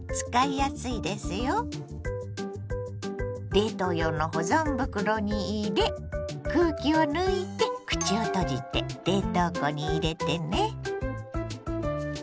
冷凍用の保存袋に入れ空気を抜いて口を閉じて冷凍庫に入れてね。